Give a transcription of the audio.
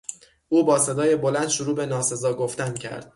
او با صدای بلند شروع به ناسزا گفتن کرد.